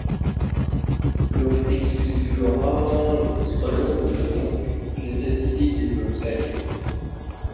L'ophrys fuciflora, ophrys frelon ou bourdon est une espèce typique des pelouses calcaires.